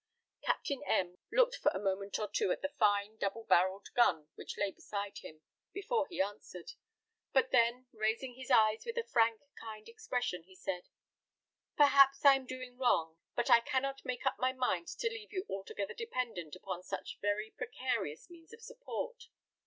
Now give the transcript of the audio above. Captain M looked for a moment or two at the fine double barrelled gun which lay beside him, before he answered; but then, raising his eyes with a frank, kind expression, he said, "Perhaps I am doing wrong, but I cannot make up my mind to leave you altogether dependent upon such very precarious means of support.